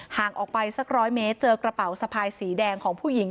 ห่างออกไปสักร้อยเมตรเจอกระเป๋าสะพายสีแดงของผู้หญิง